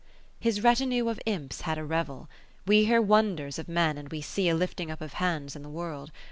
His retinue of imps had a revel. We hear wonders of men, and we see a lifting up of hands in the world.